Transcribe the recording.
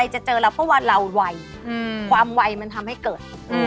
อันนี้คือการแค่แก้เกล็ด